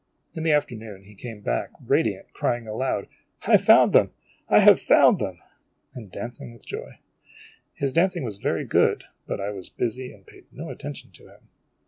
In the afternoon he came back radiant, crying aloud: " I have found them I have found them !" and dancing with joy. was very good, but I was busy and paid no attention to him.